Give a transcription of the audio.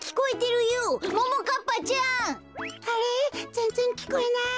ぜんぜんきこえない。